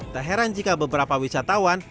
tak heran jika beberapa wisatawan